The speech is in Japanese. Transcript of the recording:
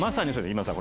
今田さん